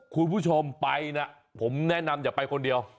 คุณผู้ชมไปนะผมแนะนำอย่าไปคนเดียว